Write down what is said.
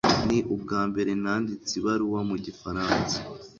ni ubwambere nanditse ibaruwa mu gifaransa